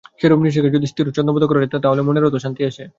সেইরূপ নিঃশ্বাসকে যদি স্থির ও ছন্দোবদ্ধ করা যায় তো মনেরও শান্তি আসে।